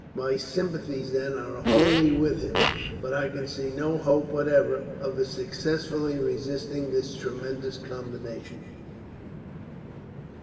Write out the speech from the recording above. My sympathies, then, are wholly with him; but I can see no hope, whatever, of his successfully resisting this tremendous combination."